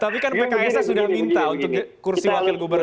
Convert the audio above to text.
tapi kan pks sudah minta untuk kursi wakil gubernur